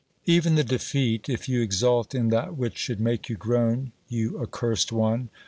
Even the defeat — if you exult in that which should make you groan, you accursed one